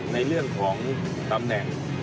ในเรื่องของตำแหน่ง